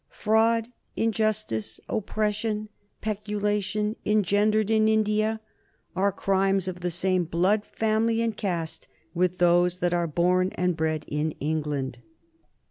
"Fraud, injustice, oppression, peculation, engendered in India, are crimes of the same blood, family, and caste, with those that are born and bred in England."